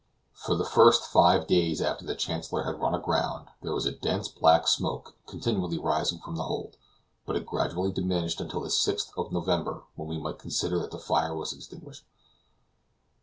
For the first five days after the Chancellor had run aground, there was a dense black smoke continually rising from the hold; but it gradually diminished until the 6th of November, when we might consider that the fire was extinguished.